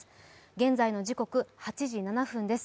現在の時刻、８時７分です。